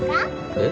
えっ？